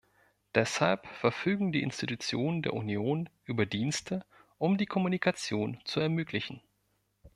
Deshalb verfügen die Institutionen der Union über Dienste, um die Kommunikation zu ermöglichen.